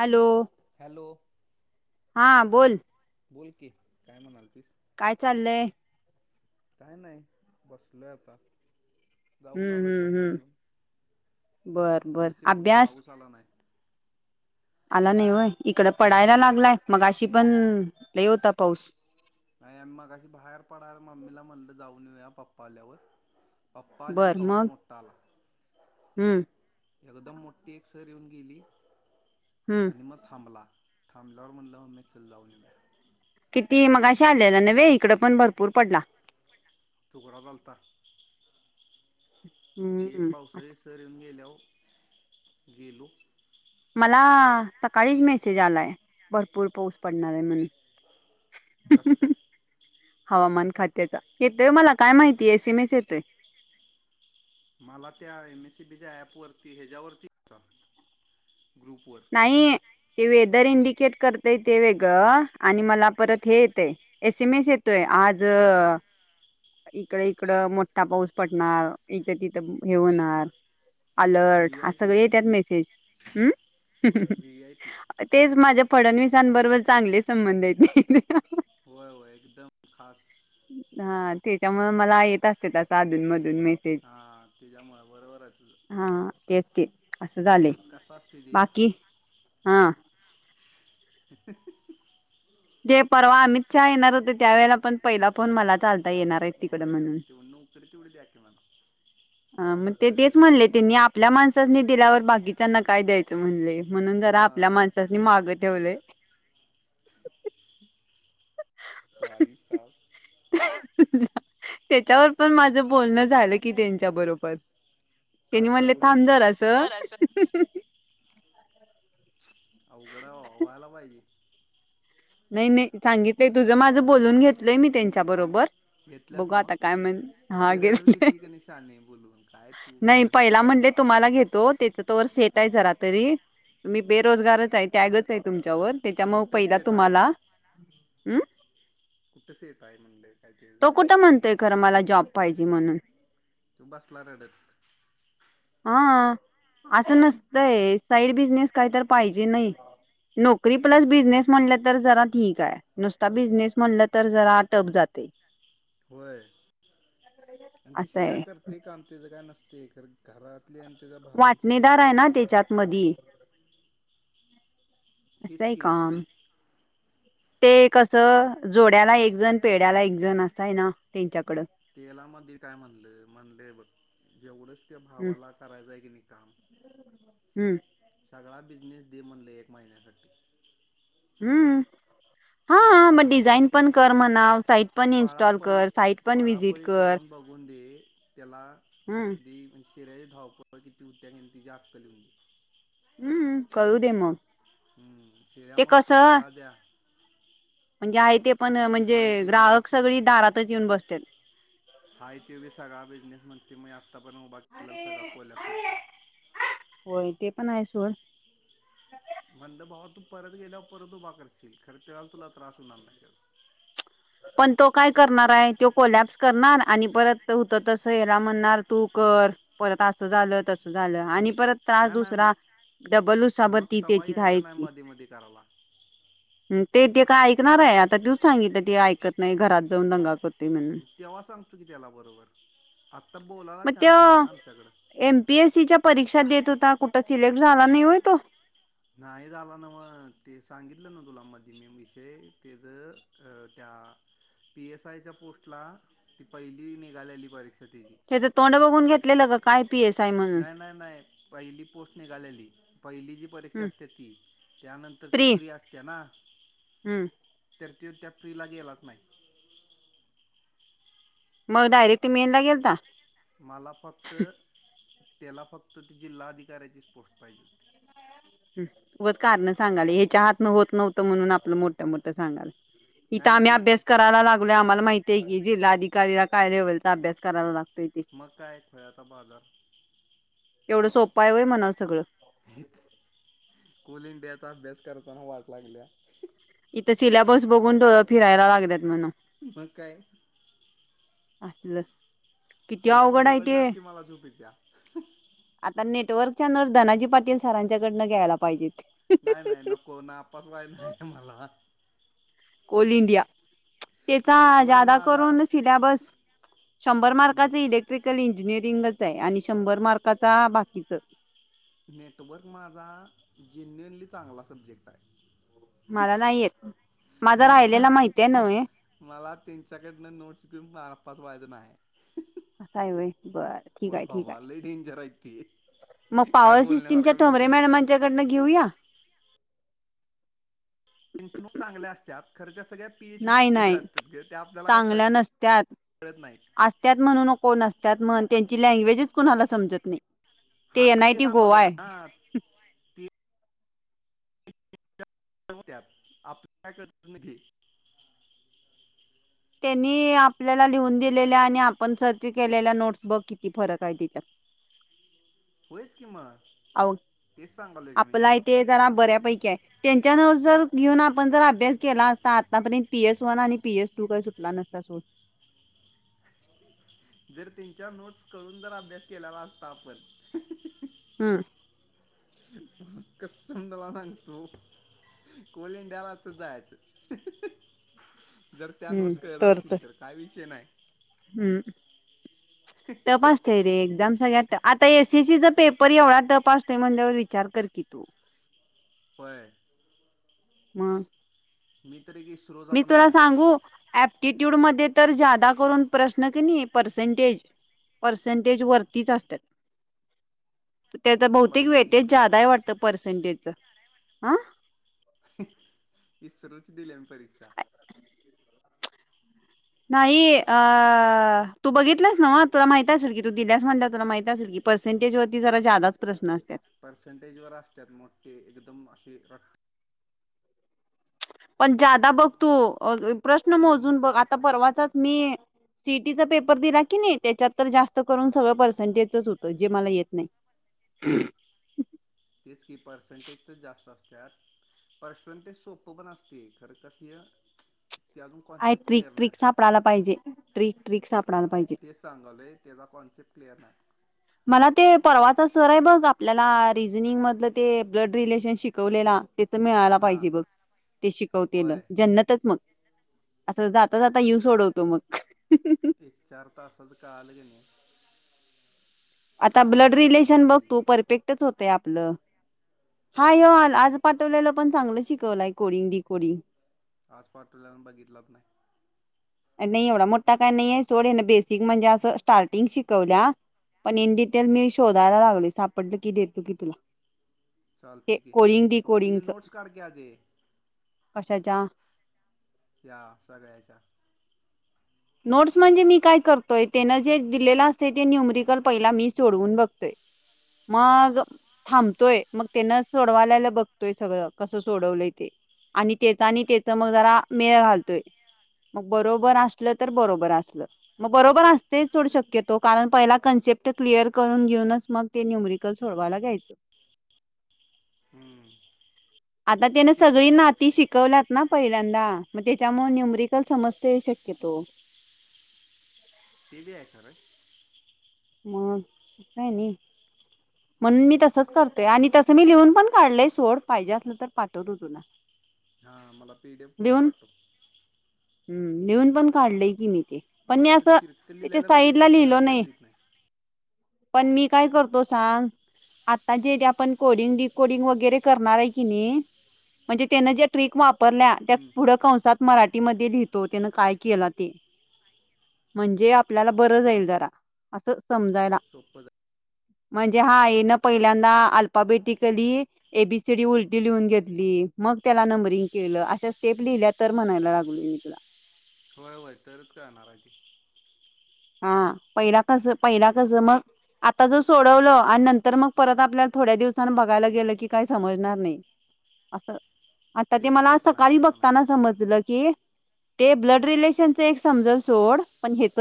Hello! Hello! हा बोल. बोल की काय म्हणालतीस. काय चाललंय? काय नाही बसलो आता. जाऊन हम्म आलो हम्म चप्पल हम्म घेऊन बर बर नशशीिब कुठे अभ्यास पाऊस आला नाही. आला नाही होय इकड पडायला लागलाय मग अशी पण ल होता पाऊस. नाही आम्ही मगाशी बाहेर पडाणार मम्मीला म्हणलं जाऊन येऊया पप्पा आल्यावर अप्पाल्यान बर पाऊस मग मोटा आला. हम्म! एकदम मोठी एक सर येऊन गेली हम्म आणि मग थांबला. थांबलावर म्हणला म चल म. किती मग अे आलेल्या ना वे इकड पण भरपूर पडला. टुकडा बलता. ग ती एक हम्म पावसाळी सर येऊन गेल्यावर गेलो मला सकाळीच मेसेज आलाय भरपूर पाऊस पडणार आहे म्हणून कस काय हवामान खात्याचा येतोय मला काय माहिती एस एम एस येतोय मला त्या एमएसीबीच्या ऍप वरती ह्याच्यावरती ग्रुपवर नाही ते वेदर इंडिया ट करतय ते वेगळं आणि मला परत हे येतय एस एम एस येतोय आज ह इकड इकड मोठठा पाऊस पडणार इथं तिथं हे होणार अलर्ट व्ही ह आय पी सगळे येत मेसेज व्ही आय पी तेच माझ्या फडणवीसांबरोबर चांगले संबंध आहेते होय होय एकदम खास हा त्याच्यामुळे मला येत असत्यात असं अधून मधून मे हां त्याच्यामुळे बरोबरच हा तेच ते अस झाले कसं असते ते बाकी हा [inaudible] जे परवा आमित शहा येणार होते त्या वेळेला पण पहिला फोन मलाच आता येणार आहे तिकड होय म्हणून ते नोकरी तेवढी द्या की मला अ म ते तेच म्हणले त्यांनी आपल्या माणसांनी दिल्यावर बाकीच्याना काय द्यायचं, म्हणले म्हणून जरा आपल्या होय माणसासनी माग ठेवलेय. बाई साब [unintelligible] त्याच्यावर पण माझ बोलणं झालं कि त्यांच्या बरोबर. त्यांनी म्हणले एवढं थांब जरास. अवघड आहे बाबा व्हायला पाहिजे. नाही नाही सांगितलंय, तुझं माझं बोलून घेतलंय मी त्यांच्या बरोबर. घेतल्यास बघू नव्ह आता काय म्हण हा शेऱ्याच पण गेले घेशील का नि शाने बोलून. काय तू नाही खरंच पहिला म्हणले तुम्हाला घेतो. त्याच तोवर सेट आहे जरा तरी मी बेरोजगारच आहे टॅगच आहे तुम त्याच्यावर त्याच्यामुळ, कुठं पहिला सेट आहे तुम्हाला अम्म कुठं सेट आहे म्हणलं काय त्याचं तो कुठ म्हणतोय खरं मला जॉब पाहिजे म्हणून. बसला रडत. हा असं नसतंय साईड बिझनेस काहीतरी पाहिजे नाई. नोकरी प्लस बिझनेस म्हणल तर जरा ठीक आहे. नुसता बिझनेस म्हटलं तर जरा टफ जातं ते. होय आणि ती असं शिऱ्या आहे करतय काम त्याच, काय नसतय खर घरात. वाटणेदार आहे ना, त्याच्यात मधी. तीच असय की काम. ते कस जोड्याला एक जण पेड्याला एक जण असय ना, त्यांच्याकड तेला मधी काय म्हणलं, म्हणलं हे बघ जेवढंच त्या हम्म भावाला करायचय की नाही काम. हम्म सगळा बिझनेस दे म्हणल एका महिन्यासाठी. हम्म. हा जरा मग डिझाईन पण कर म्हणाव. साईट पण इन्स्टॉल कर साईट पण व्हजिट कर बगुंदे त्याला हम्म तिथली म्ह तिरे धावपळ किती हुत्या त्याची अक्कल येऊ दे. हम्म कळू देे मग. हम्म. शिऱ्या ते म्हणतोय कसं तेला द्या, म्हणजे आहे ते पण म्हणजे हाय ते बी ग्राहक, जाते सगळी दारातच येऊन बसत्यात. हाय त्योबी सगळा बिझनेस की मय आत्ता पण उभा केला सगळा कोल्याप सुटती पणाय सोड म्हणल भावा तू, परत गेल्यावर परत उभा करशील खरंच्या वेळेला तुला त्रास होणार नाही का? पण तो काय करणार आहे तो कोल्यब्स करणार आणि परत होत तस याला म्हणणार तू, कर परत असं झालं तसं झालं आणि परत त्रास नाही नाही मग दुसरा डबल मग उसबती तवा त्याची यायचं धायस नाही की मध्ये मध्ये करायला हम्म ते ते काय ऐकणार आहे आता तूच, सांगितलं ते ऐकत नाही घरात जाऊन दंगा करत तेव्हा सांगतो की त्याला बरोबर. आत्ता बोलायला म त्यो चान्स नाही ना आमच्याकडं एमपी एसीच्या परीक्षा देत होता कु सिलेक्ट झाला नाही होय तो. नाही झाला नव म ते सांगितलं ना, तुला मध्ये मी विषय त्याज्य त्या ह पी एस आय च्या पोस्टला ती पहिली निघालेली परीक्षेत त्याचं तोंड बघून घेतलेलं ग काय पी एस आय म्हणून? नाही नाही नाही पहिली पहिली जी प ज हम्म असते ती त्यांतर ती प्री प्रि असते ना, हम्म त्या ते [unintelligible] तिला गेलाच नाही. मग डायरेक्ट मेन ला गेलता. माला फक्त त्याला फक्त ती जिल्हाधिकाऱ्याची पोष्ट पाहिजे होती. उग कारण सांगाली ह्याच्या हातनं होत नव्हतं म्हणून आपलं मोठं मोठं मोठ्या सांगाल इथं नाही आम्ही नाही अभ्यास करायला लागलो आम्हाला माहित ते की जिल्हा अधिकारीला काय लेव्हल चा अभ्यास करायला लागतो मग काय खुळयाचा बाजार एवढं सोपाय होय म्हणावं सगळं ऑल इंडियाचा अभ्यास करताना वाट लागलीया इथं सील्याबस बघून डोळं फिरायला लागल्यात म्हणावं मग काय असलं किती सिलॅबस अवघड आहे ते उघडलात की मला झोप येतीया आता नेटवर्कच्या न धनाजी पाटील सरांच्याकडनं घ्यायला पाहिजेत. नाही नाही नको नापास व्हाय नाही मला ऑल इडिया त्याचा नेटवर्क जा्यादा माझा करून सिलेबस शंभर नेट मार्काचे इलेक्ट्रिकल इं इंजिनिअरिंगच आहे आणि शंभर मार्काचा बाकीच नेटवर्क माझा जेन्युअनली चांगला सब्जेक्ट आहे. मला नाही येत. माझा मला राहिलेला माहिती आहे नव्हे मला त्यांच्याकडनं नोट्स घेऊन मार च वयद नाही आहे. अस हाय वय बर ठीक आहे ठीक आहे. लय डेंजर आहे ते मग काय पॉवर सिस्टीमच्या बोलण्यासारखा तोमरे विषय नाही मॅडमांच्याकडन घेऊया. इ चांगल्या असत्यात खर. सगळ्या पीएच नाही डी नाही असतात ग त्या आपल्याला काय क असत्याात म्हणू नको नसत्यात म्हण त्यांची लँग्वेजच कुणाला समजत नाही. हा एन आय ते टी गोवा सांगवले ना आहे ते. आपल्या काय करत घी त्यांनी आपल्याला लिहून दिलेल्या आणि आपण सर्च केलेल्या नोट्स बघ किती फरक आहे तिथं. होयच कि म अव आपला आई टी आय जरा बऱ्यापैकी ये जर घेऊन आपण आपण जर अभ्यास केला असता आतापर्यंत पीएस वन आणि पीएस टू काय सुटला नसता सोड. जर त्यांच्या नोटस कळून जर अभ्यास केलेला असता आपण हम्म. कसंदला सांगतो. कोलीन डावाज सुद्धाच. जर त्यानुसार कळत असतील तर काय विषय नाही. तपासते रे. ळ आ एससी पेपर एवढा तपास म्हण विचार कर की तू. होय. मग मी तर एक इस्रोचा मी पण तुला दिलाय सांगू ऍप्टीट्यूड मध्ये तर जादा करून प्रश्न क नी पर्सेंटेज पर्सेंटेज वरतीच असतात. [unintelligible] त्याच सांगालोय बहुतेक मी इस्रो वेटेज दिलाय जादा वाटत परीक्षा पर्सेंटेजच ह. इस्रोच दिल्या मी परीक्षा नाही अ तू बघितलास नवं तुला माहित असल की तू दिल्यास म्हणता तुला माहित आहे असाल की पर्सेंटेजवरती जरा जा्यादाच प्रशन असत. दम अशी रख. पण जादा बघ तू प्रश्न एवढे मोजून मोठे बघ आता प्रश्न असतात परवाचाच मी पेपर दिला की नाही त्याच्यात जास्त करून सगळं पर्सेंटेजच होत जे मला येत नाही. ह. तेच कि पर्सेंटेज तर जास्त असत. पर्सेंटेज सोप पण असते खरं कस. ते अजून I concept trick clear trick नाही आप सापडायला पाहिजे ट्रिक ट्रिक सापडायला पाहिजे ते सांगालोय त्याचा कॉन्सेप्ट प्लेरनाय. मला ते परवाच सर आहे बघ आपल्याला रिझनिंग मधलं ते ब्लड रिलेशन शिकवलेला. ते तर मिळाला हां पाहिजे बघ ते शिकवते ना होय. जन्नतच मग असं जाता -जाता येवुन सोडवतो मग एक चार तासात कळालं काय नाही. आता ब्लड होऊन रिलेशन जातंय की. बघतो परफेक्टच होते आपलं. हा होय होय आज पाठवलेलं पण चांगलं शिकवलंय कोरिंग डी कोडिंग आज पाठवला आणि बघितलाच नाही. नाही एवढा मोठा काय नाहीय सोड ना बेसिक म्हणजे असं स्टार्टिंग शिकवल्या. पण इन डिटेल मी शोधायला लागल सापडल की देतो की तुला चल ते ठीक आहे कोडिंग डी ते जी कोडिंगच नोट्स काढ की आधी कशाच्या? या सगळ्याच्या नोट्स म्हणजे मी काय करतोय, त्यान जे दिलेलं असतय ते न्यूमरिकल पहिला मी सोडवून बघतोय. मग थांबतोय, मग त्यान सोडवालेल बघतोय सगळ. कस सोडवलंय ते. आणि त्याचा आणि त्याच मग जरा मेळ घालतोय. मग बरोबर अस असल तर बरोबर असलं. मग बरोबर असते सोड शक्यतो, कारण पहिला कन्सेप्ट क्लिअर करून घेऊन घेऊनच मग ते न्युमरिकल सोडवायला घ्यायचं. हम्म आता तेन तेच सगळी की नाती शिकवल्यात ना? पहिल्यांदा मग तेच्यामुळ न्युमरिकल समजतंय शक्यतो. ते बी हाय खरं. मग काय आणि म्हणून मी तसच करतोय आणि तसं मी लिहून पण काढलय सोड, पाहिजे असलं तर पाठवतो तुला. हा मला पीडीएफ करून पाठव. हूम लिहून पण काढलय की मी. ते पण हे मी असं तिरक त्याच्या लिहिलेलं साईडला बघितल्याशिवाय लिहिलो अभ्यास होत नाही. पण मी काय करतो सांग आता जेे जे आपण कोडिंग, डी कोडिंग वगैरे करणार काय की नी म्हणजे तेन ज्या ट्रीक वापरल्या त्यात हम्म पुढं कंसात मराठीमध्ये लिहितो तेन काय केला ते? म्हणजे आपल्याला बर चाल जाईल जरा, आस समजायला. सोपं जाईल म्हणजे हा ये न पहिल्यांदा alphabetically A B C D उलटी लिहून घेतली. मग त्याला नंब्रींग केल, अशा स्टेप लिहिल्या तर म्हणालोय तुला होय होय, तरच कळणार हाय ते. हा पहिला कस पहिला कस मग. आता जर सोडवलं आणि नंतर मग परत आपल्याला थोड्या दिवसांनी बघायला गेलं की काही समजणार नाही. असं आता ते मला पण आहे सकाळी ते पण बघताना आहे समजलं की. ते ब्लड रिलेशनच एक समजल सोड पण हेेत.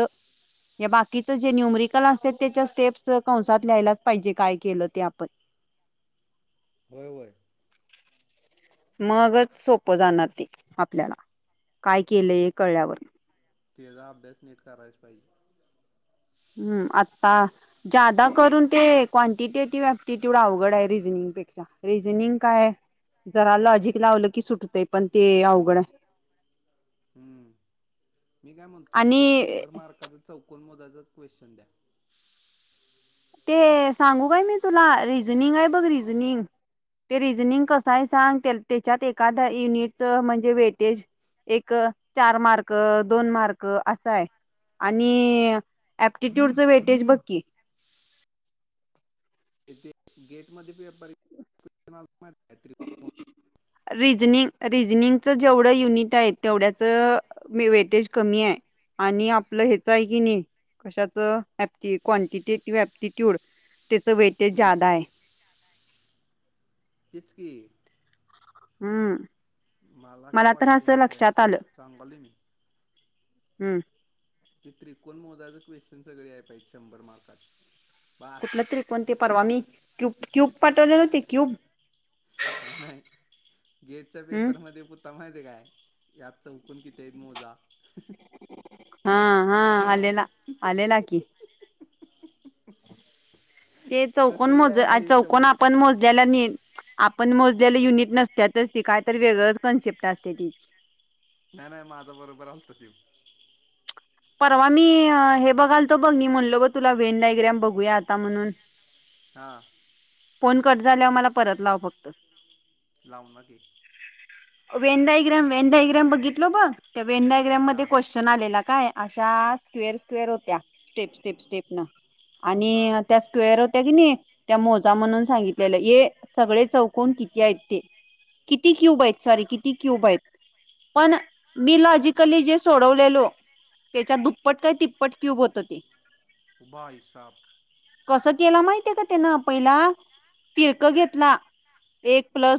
या बाकीच जे न्युमरिकल असत त्याच्या स्टेप्स कंसात ल्यायलाच पाहिजे काय केलं ते आपण. होय होय मगच सोपं जाणार ते आपल्याला काय केलं हे कळल्यावर. तेचा अभ्यास नीट करायच पाहिजे. ह्म आता जा्यादा करून ते क्वांटिटेटिव्ह अप्टिट्यूड अवघड आहे रिजनिंग. रिजनिंग काय. जराला लॉजिक लावलं की सुटतय पण ते अवघड आहे. हम्म! मी काय म्हणतोय त एक आणि शंभर मार्काचा चौकन मोदाच क्वेश्चन द्या. ते सांगू काय मी तुला रिझनिंग आहे बघ रिझनिंग. ते रिजनिंग कस आहे सांग त्याच्यात एखादा युनिटच म्हणजे वेटेज. एक चार मार्क दोन मार्क असा आहे. आणि प्टिट्यूडच वेटेज बक्की. ते गेट मध्ये पी व्यापारी. रेंजनिग जेवढ युनिट आहे तेव्याच वेटेज कमी. आणि आपलं हेच आहे की नाही. कशाच क्ांटिटीटि प्टिट्यूड त्याच वेटेज हम्म जादा आहे. तेच की हम्म! मला काय तर वाटते असं लक्षात माहिती आलं सांगलोय मी. हम्म! ण मोदा क्वेश्चन सगळे आहेहिजे शंभर मार्क. कुठलं तरी कोण ते परवा मी क्यूब क्यूब पाठवले हो्हते क्यूब नाही गेटच्या हम्म पेपरमध्येध्ये पता माहिती काय? यात च हुकून कितीेत मोजा. हा हा आलेला आलेला हकी. अच्छा! ते चौकन मोज चौकन शंभर आपण मोजल्याला न. आपण मोजल्याला युनिट नसततच ती काय तर वेगळंच कॉन्सेप्ट असते ती. नाही नाही माझं बरोबर असत त. परवा मी हे बघालतो बघ मी म्हणलो ग तुला वेन डायग्रॅम बघूया आता म्हणून. हा. फोन कट झाल्यावर मला परत लाव फक्त. लावणार की वेंडायग्रॅम वेंडायग्रॅम बघितलो बघ त्या वेंडायग्रॅम हा मध्ये क्वेश्चन आलेला काय. अशा स्क्वेअर स्क्वेअर होत्या स्टेप स्टेप स्टेप न. हा आणि त्या स्क्वेअर होत्या की नाही. त्या मोजा म्हणून सांगितलेलं ये सगळे चौकून किती आहेत ते किती क्यूब आहेत. सॉरी किती क्यूब आहेत पण मी लॉजिकली जे सोडवलेलो. त्याच्या दुप्पट काय तिप्पट क्यूब होत ते. बाईसाब कस केला माहितीय का त्यान पहिला फिरक घेतला एक प्लस